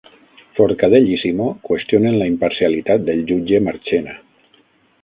Forcadell i Simó qüestionen la imparcialitat del jutge Marchena